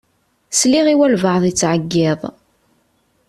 Sliɣ i walebɛaḍ yettɛeyyiḍ.